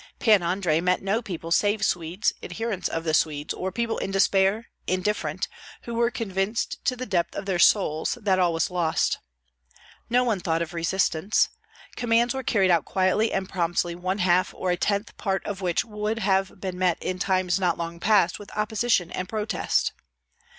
Pan Andrei met no people save Swedes, adherents of the Swedes, or people in despair, indifferent, who were convinced to the depth of their souls that all was lost. No one thought of resistance; commands were carried out quietly and promptly one half or a tenth part of which would have been met in times not long past with opposition and protest.